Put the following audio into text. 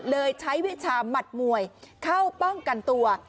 เลยใช้วิชาหมัดมวยเข้าป้องกันตัว